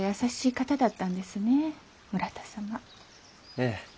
ええ。